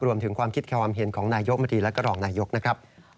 รวมถึงความคิดความเห็นของนายกมนตรีและก็รองนายกนะครับ